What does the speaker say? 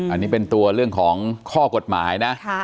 อันนี้เป็นตัวเรื่องของข้อกฎหมายนะ